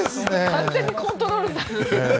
完全にコントロールされてる。